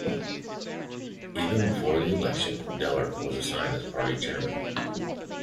Even before the election Dehler was assigned as party chairman.